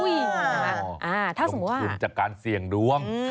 ลงทุนจากการเสี่ยงดวง